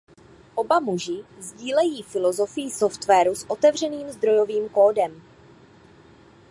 Oba muži sdílejí filozofii softwaru s otevřeným zdrojovým kódem.